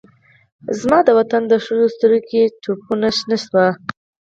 زما دوطن د ښځوسترګوکې ټپونه شنه شوه